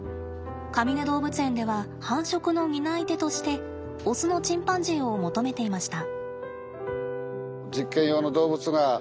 かみね動物園では繁殖の担い手としてオスのチンパンジーを求めていました。